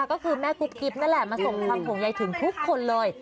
ก็คือแม่กุ๊บกิ๊บนั่นแหละมาส่งความห่วงใยถึงทุกคนเลย